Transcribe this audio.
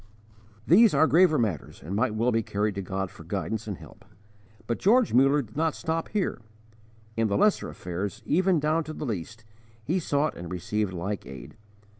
These are graver matters and might well be carried to God for guidance and help. But George Muller did not stop here. In the lesser affairs, even down to the least, he sought and received like aid.